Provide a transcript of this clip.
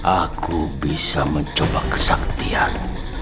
aku bisa mencoba kesaktian